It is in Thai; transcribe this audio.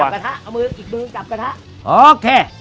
เอามือจับกระทะเอามืออีกมือจับกระทะ